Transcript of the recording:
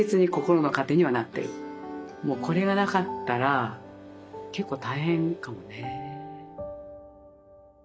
もうこれがなかったら結構大変かもね。